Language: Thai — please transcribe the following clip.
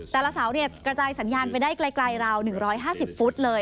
สาวกระจายสัญญาณไปได้ไกลราว๑๕๐ฟุตเลย